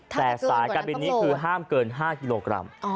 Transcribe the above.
แต่สายการบินนี้คือห้ามเกิน๕กิโลกรัม